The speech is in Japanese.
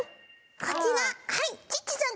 こちらはいチッチさん